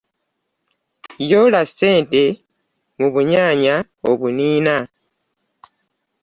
Yoola ssente mu bunyaanya obuniina